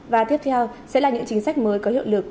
và tiếp theo sẽ là những chính sách mới có hiệu lực